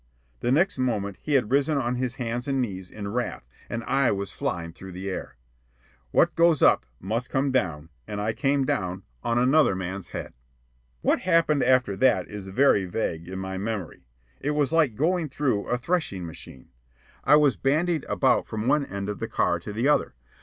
The next moment he had risen on his hands and knees in wrath, and I was flying through the air. What goes up must come down, and I came down on another man's head. What happened after that is very vague in my memory. It was like going through a threshing machine. I was bandied about from one end of the car to the other.